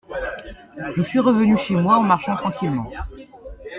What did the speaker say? Je suis revenu chez moi en marchant tranquillement.